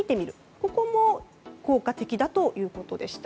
ここも効果的だということでした。